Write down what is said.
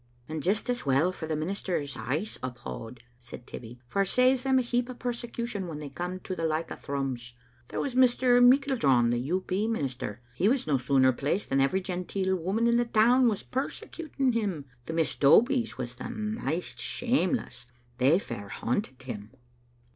"And just as well for the ministers, I'se uphaud," said Tibbie, " for it saves them a heap o' persecution when they come to the like o' Thrums. There was Mr. Meiklejohn, the IT. P. minister: he was no sooner placed than every genteel woman in the town was persecuting him. The Miss Dobies was the maist shameless; they fair hunted him."